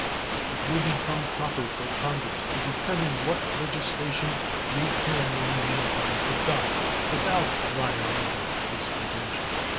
It will become proper for Congress to determine what legislation they can in the meantime adopt without violating this convention.